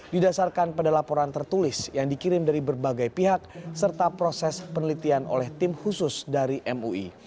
didasarkan pada laporan tertulis yang dikirim dari berbagai pihak serta proses penelitian oleh tim khusus dari mui